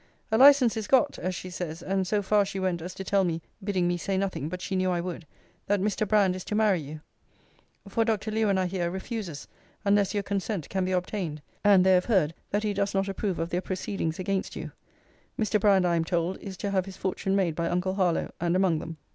A license is got, as she says: and so far she went as to tell me (bidding me say nothing, but she knew I would) that Mr. Brand is to marry you. For Dr. Lewen I hear, refuses, unless your consent can be obtained; and they have heard that he does not approve of their proceedings against you. Mr. Brand, I am told, is to have his fortune made by uncle Harlowe and among them.